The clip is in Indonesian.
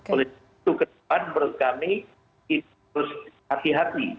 oleh itu ke depan menurut kami itu harus hati hati